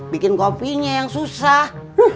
bikin kopinya yang susah